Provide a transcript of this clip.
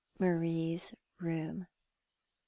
Marie's room !